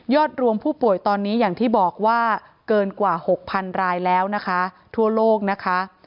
รวมผู้ป่วยตอนนี้อย่างที่บอกว่าเกินกว่า๖๐๐๐รายแล้วนะคะทั่วโลกนะคะ